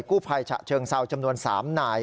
กู้ภัยฉะเชิงเซาจำนวน๓นาย